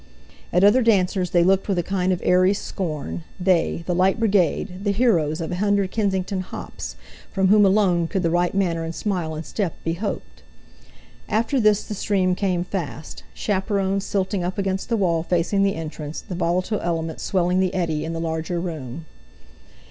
At other dancers they looked with a kind of airy scorn—they, the light brigade, the heroes of a hundred Kensington "hops"—from whom alone could the right manner and smile and step be hoped. After this the stream came fast; chaperones silting up along the wall facing the entrance, the volatile element swelling the eddy in the larger room.